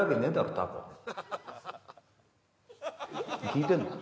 タコ聞いてんの？